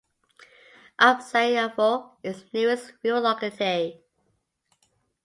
Abzayevo is the nearest rural locality.